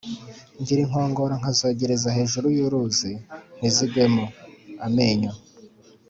Ngira inkongoro nkazogereza hejuru y'uruzi ntizigwemo-Amenyo.